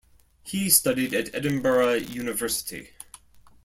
He studied at Edinburgh University.